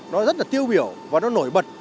nó rất là tiêu biểu và nó nổi bật